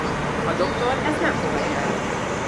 A doktor ezt nem fogadja el.